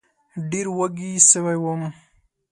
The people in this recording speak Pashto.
ډېره وږې سوې وم